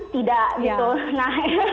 tidak gitu nah